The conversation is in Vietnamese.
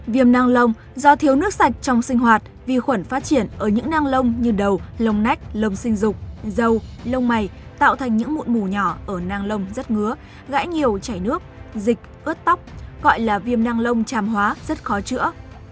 viêm năng lông do thiếu nước sạch trong sinh hoạt vi khuẩn phát triển ở những nang lông như đầu lông nách lông sinh dục dâu lông mày tạo thành những mụn mù nhỏ ở nang lông rất ngứa gãy nhiều chảy nước dịch ướt tóc gọi là viêm năng lông tràm hóa rất khó chữa